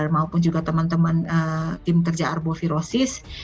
maupun juga teman teman tim kerja arbovirosis